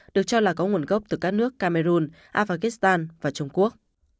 được cho là có nguồn gốc từ các nước cameroon afghan và trung quốc